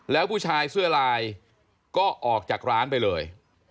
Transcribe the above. แล้วผู้ชายเสื้อลายก็ออกจากร้านไปเลย